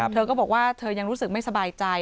เธอก็บอกว่าเธอยังรู้สึกไม่สบายใจ